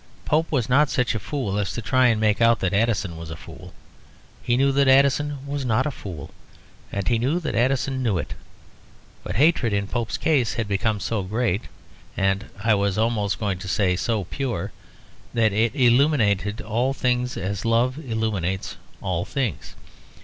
Pope was not such a fool as to try to make out that Addison was a fool. He knew that Addison was not a fool, and he knew that Addison knew it. But hatred, in Pope's case, had become so great and, I was almost going to say, so pure, that it illuminated all things, as love illuminates all things.